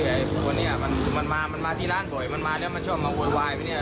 คือไอ้พวกเนี้ยมันคือมันมามันมาที่ร้านบ่อยมันมาแล้วมันชอบมาหวยวายไปเนี้ย